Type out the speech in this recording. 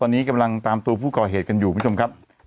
ตอนนี้กำลังตามตัวผู้ก่อเหตุกันอยู่คุณผู้ชมครับ